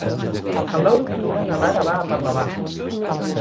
El nou d'octubre na Lara va a Parlavà.